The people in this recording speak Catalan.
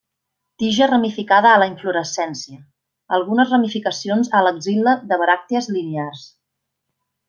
Tija ramificada a la inflorescència, algunes ramificacions a l'axil·la de bràctees linears.